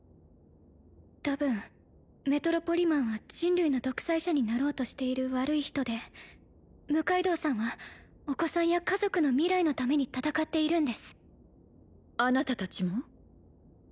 多分メトロポリマンは人類の独裁者になろうとしている悪い人で六階堂さんはお子さんや家族の未来のために戦っているんですあなた達も？